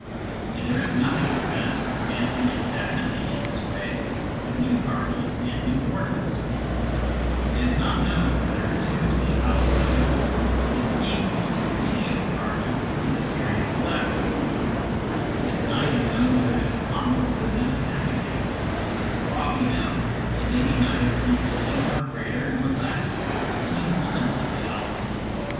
And there is nothing to prevent us from advancing indefinitely in this way to new cardinals and new ordinals. It is not known whether 2 8 ° is equal to any of the cardinals in the series of Alephs. It is not even known whether it is comparable with them in magnitude ; for aught we know, it may be neither equal to nor greater nor less than any one of the Alephs.